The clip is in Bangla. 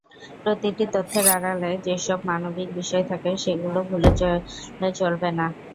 প্রতিটি তথ্যের আড়ালে যেসব মানবিক বিষয় থাকে, সেগুলো ভুলে গেলে চলবে না।